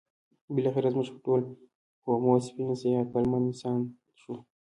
بالاخره زموږ خپل ډول هومو سیپینز یا عقلمن انسان شو.